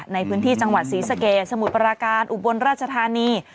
ในพื้นที่จังหวัดศรีสะเกดสมุทรปราการอุบลราชธานี